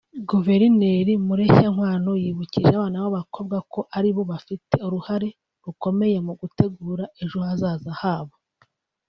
Guverineri Mureshyankwano yibukije abana b’abakobwa ko aribo bafite uruhare rukomeye mu gutegura ejo hazaza habo